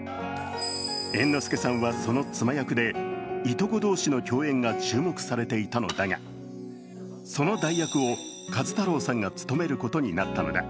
猿之助さんはその妻役でいとこ同士の共演が注目されていたのだが、その代役を壱太郎さんが務めることになったのだ。